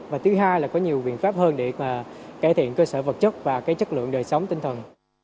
và thứ hai là có nhiều biện pháp hơn để cải thiện cơ sở vật chất và chất lượng đời sống tinh thần